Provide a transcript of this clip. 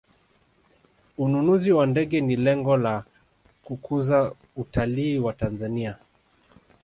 ununuzi wa ndege ni lengo la kukuza utalii wa tanzania